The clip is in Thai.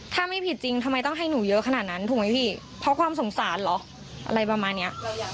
ถ้าไม่ผิดจริงทำไมต้องให้หนูเยอะขนาดนั้นถูกไหมพี่เพราะความสงสารเหรออะไรประมาณเนี้ย